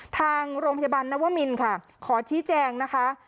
ทางโรงพยาบาลนวมินค่ะขอชี้แจงนะคะ